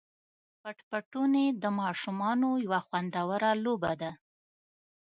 پټ پټوني د ماشومانو یوه خوندوره لوبه ده.